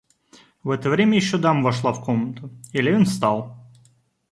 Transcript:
В это время еще дама вошла в комнату, и Левин встал.